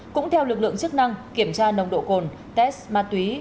cũng theo lực lượng chức năng kiểm tra nồng độ cồn test ma túy